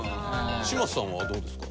嶋佐さんはどうですか？